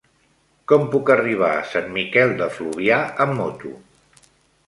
Com puc arribar a Sant Miquel de Fluvià amb moto?